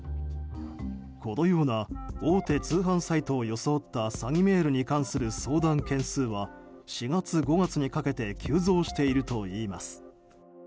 このような大手通販サイトを装った詐欺メールに関する相談件数は４月、５月にかけて急増しているといいます。